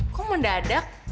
kok mau dadek